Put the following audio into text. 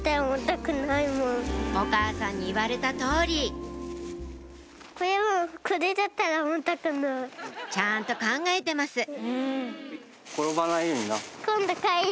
お母さんに言われた通りちゃんと考えてますお！